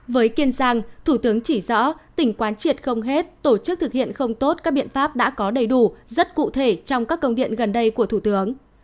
với kiên giang thủ tướng chỉ rõ tỉnh quán triệt không hết tổ chức thực hiện không tốt các biện pháp đã có đầy đủ rất cụ thể trong các công điện gần đây của thủ tướng